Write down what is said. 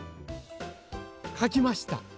かきました。